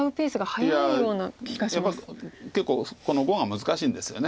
いややっぱり結構この碁が難しいんですよね。